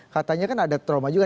katanya kan ada trauma juga